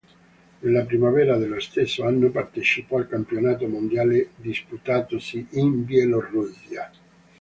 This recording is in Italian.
Nella primavera dello stesso anno partecipò al campionato mondiale disputatosi in Bielorussia.